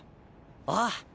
ああ。